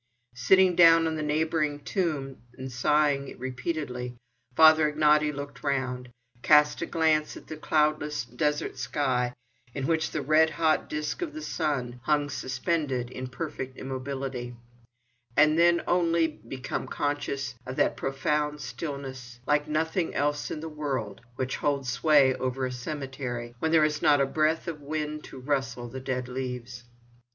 Sitting down on the neighbouring tomb, and sighing repeatedly, Father Ignaty looked round, cast a glance at the cloudless desert sky, in which the red hot disc of the sun hung suspended in perfect immobility—and then only did he become conscious of that profound stillness, like nothing else in the world, which holds sway over a cemetery, when there is not a breath of wind to rustle the dead leaves.